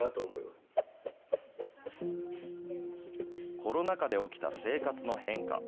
コロナ禍で起きた生活の変化。